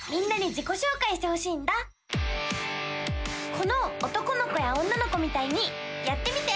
この男の子や女の子みたいにやってみて！